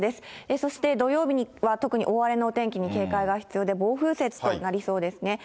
そして土曜日には特に大荒れのお天気に警戒が必要で、暴風雪となりそうですね。